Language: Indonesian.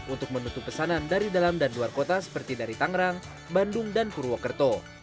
untuk menutup pesanan dari dalam dan luar kota seperti dari tangerang bandung dan purwokerto